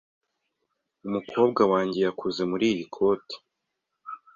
Umukobwa wanjye yakuze muriyi koti .